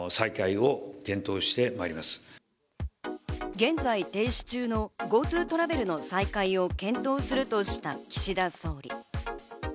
現在停止中のＧｏＴｏトラベルの再開を検討するとした岸田総理。